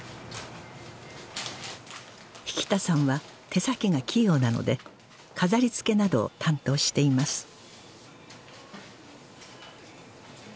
匹田さんは手先が器用なので飾りつけなどを担当しています